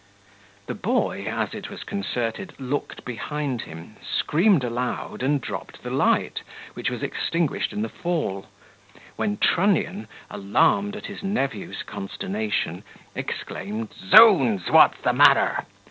The boy, as it was concerted, looked behind him, screamed aloud, and dropped the light, which was extinguished in the fall; when Trunnion, alarmed at his nephew's consternation, exclaimed, "Zounds! what's the matter?"